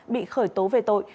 bị khởi tố về tội